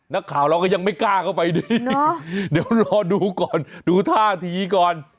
นักข่าวเราก็ยังไม่กล้าเข้าไปดีเดี๋ยวรอดูก่อนดูท่าทีก่อน